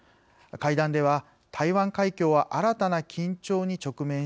会談では台湾海峡は新たな緊張に直面している。